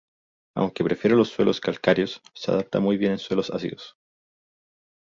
Aunque prefiere los suelos calcáreos, se adapta muy bien en suelos ácidos.